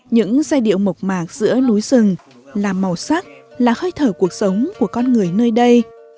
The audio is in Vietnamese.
những giai điệu mộc mạc giữa núi rừng là màu sắc là hơi thở cuộc sống của con người nơi đây